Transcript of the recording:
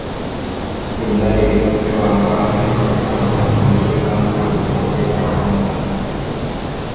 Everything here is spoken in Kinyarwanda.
Itsinda ririmo gucuranga hamwe nabafana batuje kandi batagira ingano